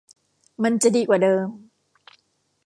มันจะดีกว่าเดิม